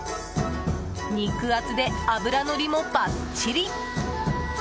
肉厚で、脂のりもばっちり。